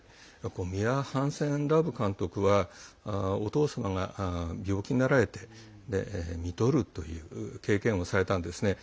ミア・ハンセン＝ラブ監督はお父様が病気になられてみとるという経験をされたんですね。